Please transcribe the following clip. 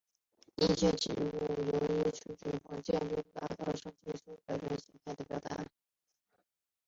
一些植物取决于环境条件的时间因素而改变其形态的表达。